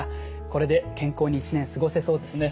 これで健康に一年過ごせそうですね。